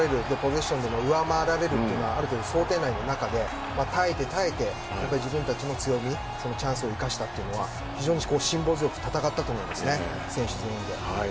押し込まれるポゼッションでも上回られるのはある程度、想定内の中で耐えて耐えて、自分たちの強み、チャンスを生かしたというのは辛抱強く戦ったと思いますね。